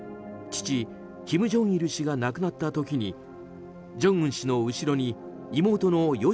父・金正日氏が亡くなった時に正恩氏の後ろに妹の与